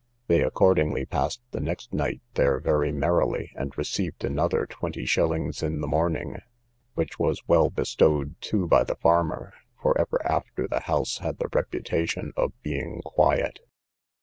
They accordingly passed the next night there very merrily, and received another twenty shillings in the morning, which was well bestowed too by the farmer; for ever after the house had the reputation of being quiet.